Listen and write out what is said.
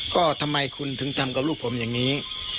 ก็ทำไมคุณถึงทำกับลูกผมอย่างนี้